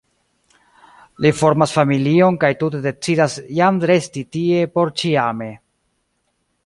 Li formas familion kaj tute decidas jam resti tie porĉiame.